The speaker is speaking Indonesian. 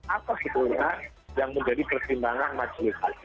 apa sebuah yang menjadi persimbangan masyarakat